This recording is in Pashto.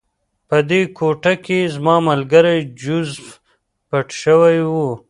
په دې کوټه کې زما ملګری جوزف پټ شوی و